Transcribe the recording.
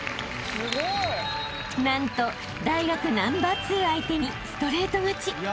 ［何と大学ナンバー２相手にストレート勝ち］